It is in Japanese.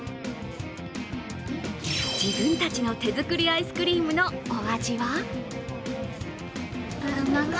自分たちの手作りアイスクリームのお味は？